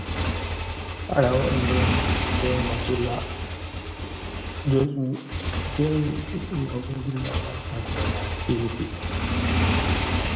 Their partnership was a platform for their numerous left-wing political satires.